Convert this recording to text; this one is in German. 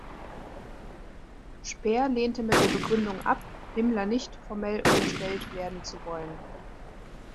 Speer lehnte mit der Begründung ab, Himmler nicht formell unterstellt werden zu wollen.